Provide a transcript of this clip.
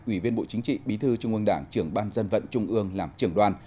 ủy viên bộ chính trị bí thư trung ương đảng trưởng ban dân vận trung ương làm trưởng đoàn